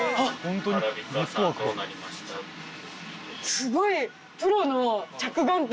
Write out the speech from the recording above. すごい。